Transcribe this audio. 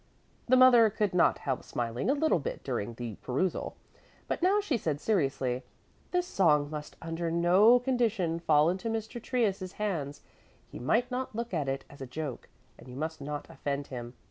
The mother could not help smiling a little bit during the perusal, but now she said seriously: "This song must under no condition fall into Mr. Trius' hands. He might not look at it as a joke, and you must not offend him.